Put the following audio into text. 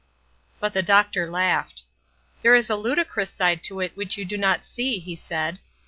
But the doctor laughed. "There is a ludicrous side to it which you do not see," he said.